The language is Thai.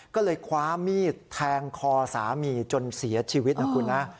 ก็เลยคว้ามีดแทงคอสามีจนเสียชีวิตนะคุณนะ